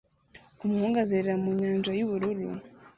Umuhungu azerera mu nyanja yubururu